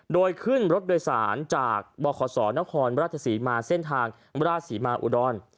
โดยขึ้นรถโดยสารจากบขศนครราชศรีมาเส้นทางราชศรีมาอุดร